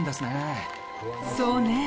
そうね。